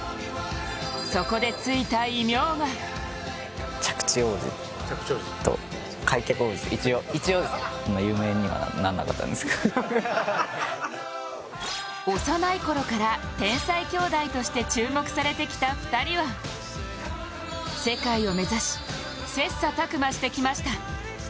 そこでついた異名が幼いころから天才兄弟として注目されてきた２人は世界を目指し、切磋琢磨してきました。